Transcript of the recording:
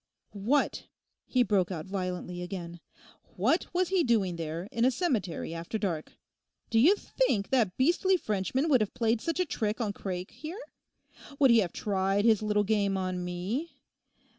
What,' he broke out violently again, 'what was he doing there in a cemetery after dark? Do you think that beastly Frenchman would have played such a trick on Craik here? Would he have tried his little game on me?